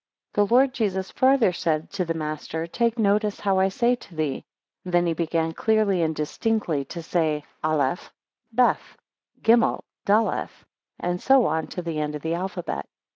9 The Lord Jesus farther said to the master, Take notice how I say to thee; then he began clearly and distinctly to say Aleph, Beth, Gimel, Daleth, and so on to the end of the alphabet.